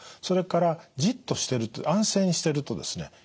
それからじっとしてる安静にしてるとですね